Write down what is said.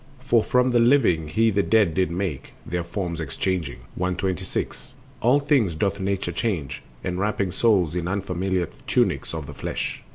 125. For from the living he the dead did make, Their forms exchanging... 126. All things doth Nature change, enwrapping souls In unfamiliar tunics of the flesh.